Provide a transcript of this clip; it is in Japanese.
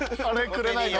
くれないの？